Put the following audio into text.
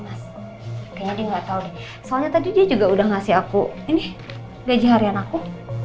kayaknya dia nggak tahu nih soalnya tadi dia juga udah ngasih aku ini gaji harian aku